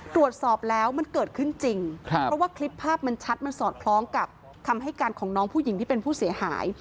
ตรวจสอบแล้วมันเกิดขึ้นจริงเพราะว่าคลิปภาพมันชัดมันสอดคล้องกับคำให้การของน้องผู้หญิงที่เป็นผู้เสียหาย